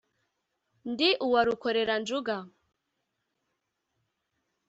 Ndi uwa Rukoreranjuga